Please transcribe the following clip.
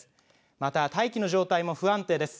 また大気の状態も不安定です。